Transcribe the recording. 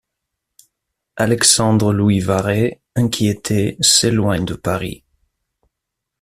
Alexandre-Louis Varet, inquiété, s'éloigne de Paris.